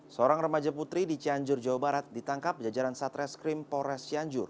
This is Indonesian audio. seorang remaja putri di cianjur jawa barat ditangkap jajaran satreskrim polres cianjur